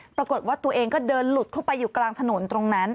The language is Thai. ปรากฏว่าตัวเองก็เดินหลุดเข้าไปอยู่กลางถนนตรงนั้น